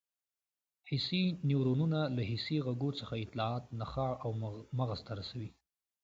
حسي نیورونونه له حسي غړو څخه اطلاعات نخاع او مغز ته رسوي.